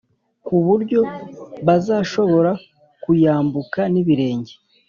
ku buryo bazashobora kuyambuka n’ibirenge.